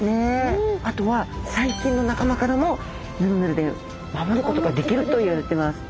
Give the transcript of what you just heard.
あとは細菌の仲間からもヌルヌルで守ることができるといわれてます。